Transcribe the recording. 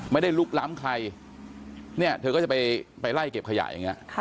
ไม่ได้ลุกล้ำใครเธอก็จะไปไล่เก็บขยะอย่างนี้